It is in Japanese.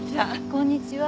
こんにちは。